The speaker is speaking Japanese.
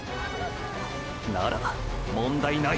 なら問題ない。